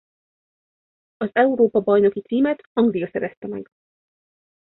Az Európa-bajnoki címet Anglia szerezte meg.